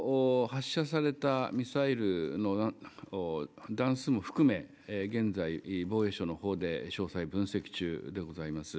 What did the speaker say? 発射されたミサイルの弾数も含め、現在、防衛省のほうで詳細分析中でございます。